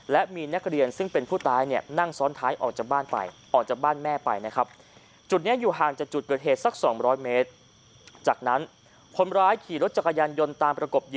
และมีนักเรียนซึ่งเป็นผู้ตายเนี่ยนั่งซ้อนท้ายออกจากบ้านไปออกจากบ้านแม่ไปนะครับ